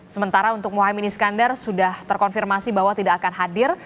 sementara untuk mohaimin iskandar sudah terkonfirmasi bahwa tidak akan hadir